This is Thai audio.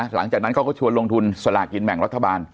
หลังจากนั้นเขาก็ชวนลงทุนสลากินแบ่งรัฐบาล